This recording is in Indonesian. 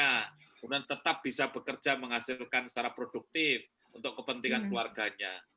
kemudian tetap bisa bekerja menghasilkan secara produktif untuk kepentingan keluarganya